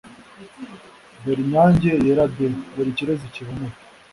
dore inyange yera de, dore ikirezi kiboneye